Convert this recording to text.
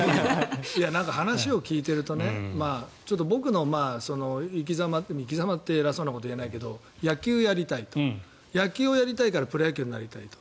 話を聞いてると僕の生き様生き様って偉そうなこと言えないけど野球をやりたいと野球をやりたいからプロ野球に行きたいと。